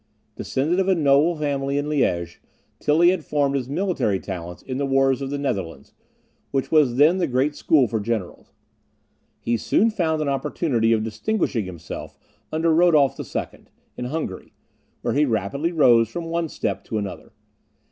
Descended of a noble family in Liege, Tilly had formed his military talents in the wars of the Netherlands, which was then the great school for generals. He soon found an opportunity of distinguishing himself under Rodolph II. in Hungary, where he rapidly rose from one step to another.